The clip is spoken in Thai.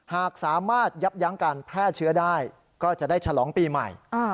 หากสามารถยับยั้งการแพร่เชื้อได้ก็จะได้ฉลองปีใหม่